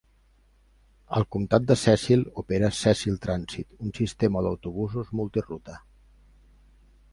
El comtat de Cecil opera Cecil Transit, un sistema d'autobusos multi-ruta.